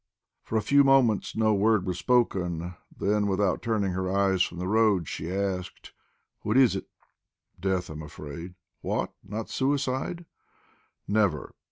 For a few moments no word was spoken; then, without turning her eyes from the road, she asked: "What is it?" "Death, I'm afraid!" "What! Not suicide?" "Never.